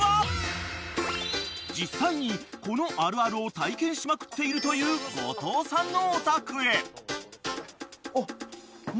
［実際にこのあるあるを体験しまくっているという後藤さんのお宅へ］